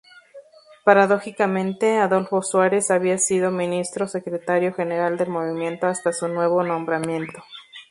Paradójicamente, Adolfo Suárez había sido Ministro-Secretario general del Movimiento hasta su nuevo nombramiento.